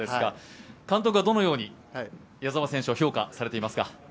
監督はどのように矢澤選手を評価されていますか？